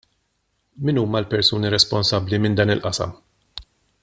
Min huma l-persuni responsabbli minn dak il-qasam?